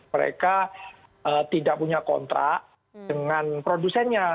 mereka tidak punya kontrak dengan produsennya